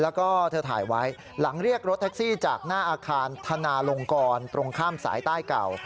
แล้วก็เธอถ่ายไว้หลังเรียกรถแท็กซี่จากหน้าอาคารธนาลงกรตรงข้ามสายใต้เก่า